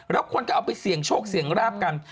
แล้วคนก็เอาไปเสี่ยงโชคเสี่ยงราบกัน